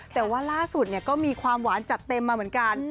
แต่ว่าล่าสุดก็มีความหวานจัดเต็มมาเหมือนกัน